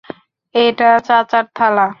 এটা চাচার থালা।